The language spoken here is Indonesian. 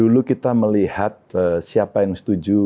dulu kita melihat siapa yang setuju